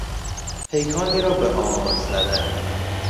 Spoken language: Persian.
پیکانی را به آماج زدن